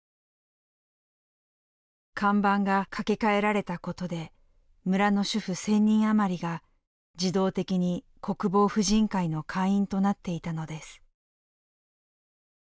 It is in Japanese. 看板が掛け替えられたことで村の主婦１，０００人余りが自動的に国防婦人会の会員となっていたのです。